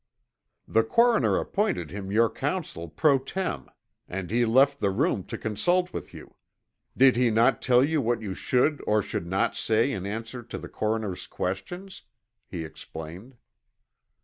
"The coroner appointed him your counsel pro tem. and he left the room to consult with you. Did he not tell you what you should or should not say in answer to the coroner's questions?" he explained.